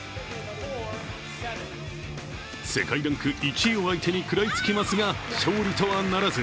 世界ランク１位を相手に食らいつきますが勝利とはならず。